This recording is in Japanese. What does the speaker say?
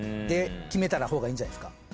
で決めた方がいいんじゃないですか？